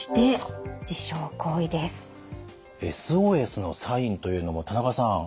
１つ目ＳＯＳのサインというのも田中さん